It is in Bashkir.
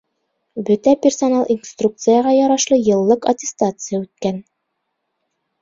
Бөтә персонал инструкцияға ярашлы йыллыҡ аттестация үткән.